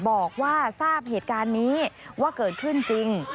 บอกว่าทราบเหตุการณ์นี้ว่าเกิดขึ้นจริง